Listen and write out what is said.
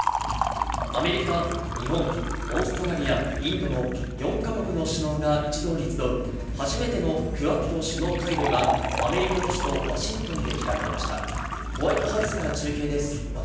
アメリカ、日本、オーストラリア、インドの４か国の首脳が一堂に集う、はじめてのクアッド首脳会合が、アメリカの首都ワシントンで開かれました。